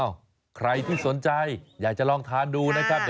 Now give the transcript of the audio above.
ใครที่สนใจอยากจะลองทานดูนะครับ